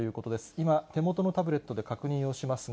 今、手元のタブレットで確認をしますが。